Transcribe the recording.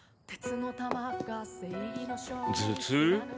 頭痛？